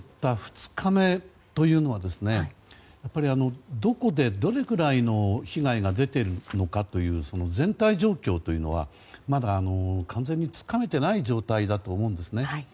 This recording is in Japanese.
巨大地震が襲った２日目というのはどこでどれぐらいの被害が出ているのかという全体状況というのはまだ完全につかめてない状況だと思うんですね。